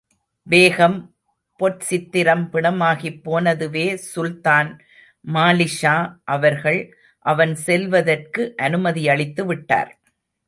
பேகம் பொற்சித்திரமும் பிணமாகிப் போனதுவே சுல்தான் மாலிக்ஷா அவர்கள், அவன் செல்வதற்கு அனுமதியளித்து விட்டார்.